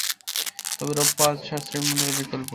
তবে, রৌপ্য আজ সাশ্রয়ী মূল্যের বিকল্প।